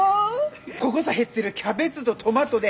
こごさ入ってるキャベツどトマトね